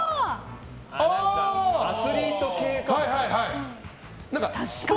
アスリート系かも。